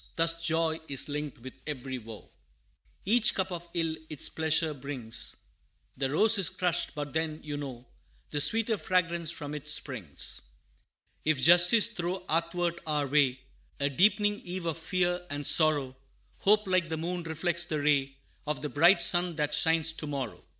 Thus joy is linked with every woe Each cup of ill its pleasure brings; The rose is crushed, but then, you know, The sweeter fragrance from it springs. If justice throw athwart our way, A deepening eve of fear and sorrow, Hope, like the moon, reflects the ray Of the bright sun that shines to morrow.